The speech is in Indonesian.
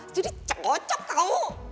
jadi cocok tau